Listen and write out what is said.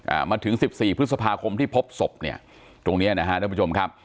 อ่ามาถึงสิบสี่พฤษภาคมที่พบสบเนี่ยตรงเนี้ยนะฮะ